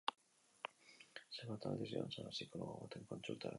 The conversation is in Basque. Zenbat aldiz joan zara psikologo baten kontsultara?